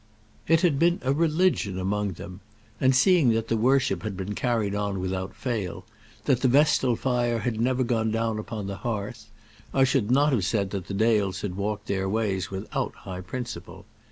It had been a religion among them; and seeing that the worship had been carried on without fail, that the vestal fire had never gone down upon the hearth, I should not have said that the Dales had walked their ways without high principle.